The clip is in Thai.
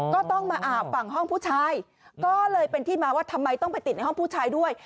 ก็ต้องมาอาบฝั่งห้องผู้ชายก็เลยเป็นที่มาว่าทำไมต้องไปติดในห้องผู้ชายด้วย